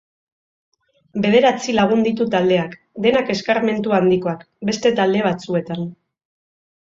Bederatzi lagun ditu taldeak, denak eskarmentu handikoak beste talde batzuetan.